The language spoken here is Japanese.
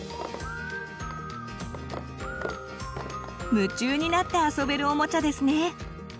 夢中になって遊べるおもちゃですね。